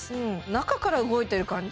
中から動いてる感じ？